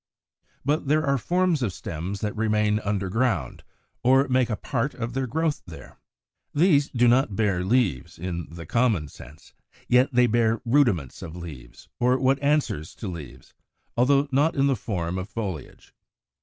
But there are forms of stems that remain underground, or make a part of their growth there. These do not bear leaves, in the common sense; yet they bear rudiments of leaves, or what answers to leaves, although not in the form of foliage.